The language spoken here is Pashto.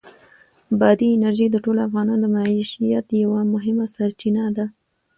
بادي انرژي د ټولو افغانانو د معیشت یوه مهمه سرچینه ده.